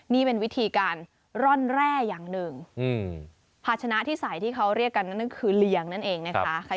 นี่เป็นวิธีการร่อนแร่อย่างหนึ่งภาชนะที่ใส่ที่เขาเรียกกันนั่นก็คือเลี้ยงนั่นเองนะคะ